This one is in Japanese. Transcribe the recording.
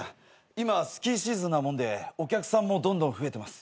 今スキーシーズンなもんでお客さんもどんどん増えてます。